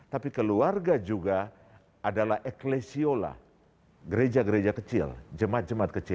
tapi keluarga juga adalah eklesiola gereja gereja kecil jemaat jemaat kecil